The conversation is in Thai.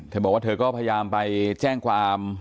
บอกว่าเธอก็พยายามไปแจ้งความ